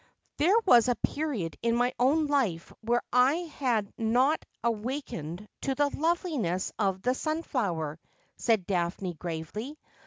' There was a period in my own life when I had not awak ened to the loveliness of the sunflower,' said Daphne gravely.